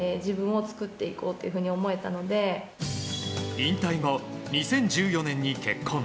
引退後、２０１４年に結婚。